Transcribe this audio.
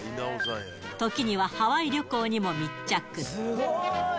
時にはハワイ旅行にも密着。